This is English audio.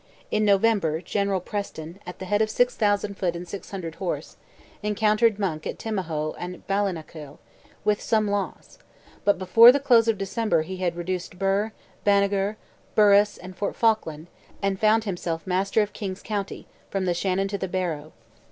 In November, General Preston, at the head of 6,000 foot and 600 horse, encountered Monk at Tymahoe and Ballinakil, with some loss; but before the close of December he had reduced Birr, Banagher, Burris, and Fort Falkland, and found himself master of King's county, from the Shannon to the Barrow.